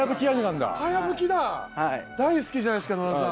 大好きじゃないですか、野田さん。